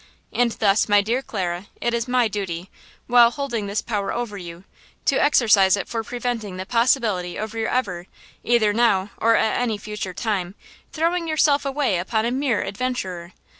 And thus, my dear Clara, it is my duty, while holding this power over you, to exercise it for preventing the possibility of your ever–either now or at any future time, throwing yourself away upon a mere adventurer.